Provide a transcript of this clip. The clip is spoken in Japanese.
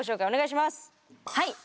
はい。